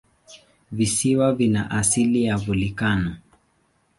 Visiwa vina asili ya volikano.